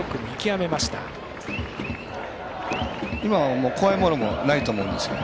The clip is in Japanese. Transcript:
今は怖いものもないと思うんです。